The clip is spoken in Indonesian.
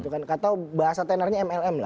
kata bahasa tenernya mlm